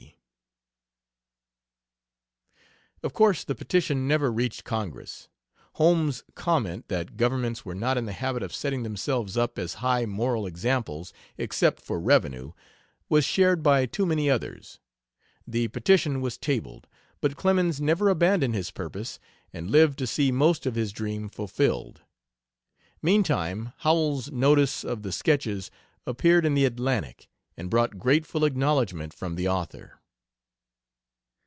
C. Of course the petition never reached Congress. Holmes's comment that governments were not in the habit of setting themselves up as high moral examples, except for revenue, was shared by too many others. The petition was tabled, but Clemens never abandoned his purpose and lived to see most of his dream fulfilled. Meantime, Howells's notice of the Sketches appeared in the Atlantic, and brought grateful acknowledgment from the author.